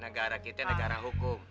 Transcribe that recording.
negara kita negara hukum